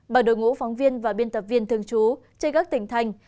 bởi đội ngũ phóng viên và biên tập viên thường trú trên các tỉnh thành